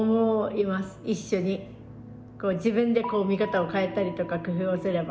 自分でこう見方を変えたりとか工夫をすれば。